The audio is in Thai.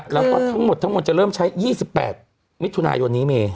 แล้วก็ทั้งหมดจะเริ่มใช้๒๘มิถุนายนิเมฆ